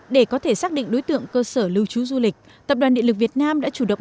để có thể xác định đối tượng cơ sở lưu trú du lịch tập đoàn điện lực việt nam đã chủ động